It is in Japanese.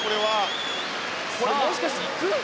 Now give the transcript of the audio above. もしかしていく？